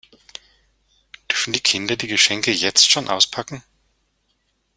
Dürfen die Kinder die Geschenke jetzt schon auspacken?